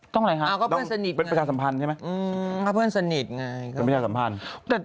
ต้องอะไรคะเป็นประชาสัมพันธ์ใช่ไหมก็เพื่อนสนิทเป็นประชาสัมพันธ์